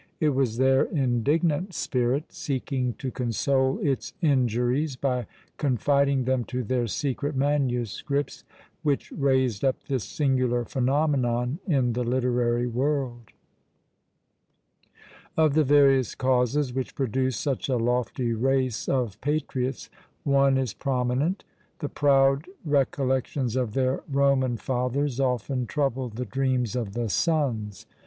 It was their indignant spirit, seeking to console its injuries by confiding them to their secret manuscripts, which raised up this singular phenomenon in the literary world. Of the various causes which produced such a lofty race of patriots, one is prominent. The proud recollections of their Roman fathers often troubled the dreams of the sons.